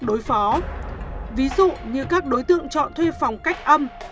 đối phó ví dụ như các đối tượng chọn thuê phòng cách âm